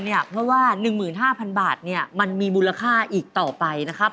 เพราะว่า๑๕๐๐๐บาทมันมีมูลค่าอีกต่อไปนะครับ